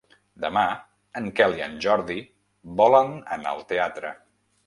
Demà en Quel i en Jordi volen anar al teatre.